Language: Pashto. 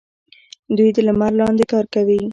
دوی د لمر لاندې کار کوي.